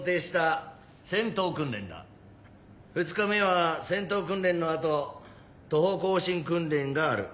２日目は戦闘訓練の後徒歩行進訓練がある。